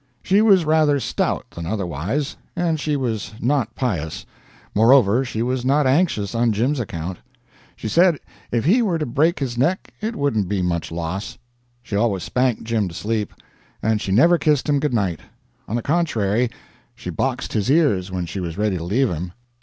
She was rather stout than otherwise, and she was not pious; moreover, she was not anxious on Jim's account. She said if he were to break his neck it wouldn't be much loss. She always spanked Jim to sleep, and she never kissed him good night; on the contrary, she boxed his ears when she was ready to leave him.